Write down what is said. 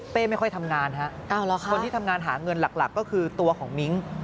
ไม่ค่อยทำงานฮะคนที่ทำงานหาเงินหลักก็คือตัวของมิ้ง